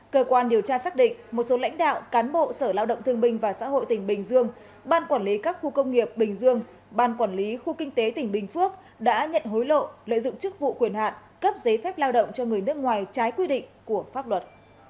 cơ quan điều tra xác định một số lãnh đạo cán bộ sở lao động thương bình và xã hội tỉnh bình dương ban quản lý các khu công nghiệp bình dương ban quản lý khu kinh tế tỉnh bình phước đã nhận hối lộ lợi dụng chức vụ quyền hạn cấp giấy phép lao động cho người nước ngoài trái quy định của pháp luật